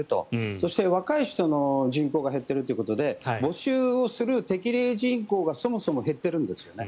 そして若い人の人口が減っているということで募集する適齢人口がそもそも減っているんですね。